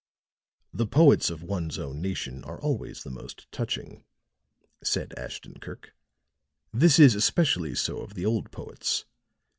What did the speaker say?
"The poets of one's own nation are always the most touching," said Ashton Kirk. "This is especially so of the old poets.